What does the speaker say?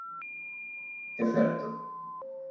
É certo.